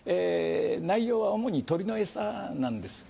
内容は主に鳥の餌なんです。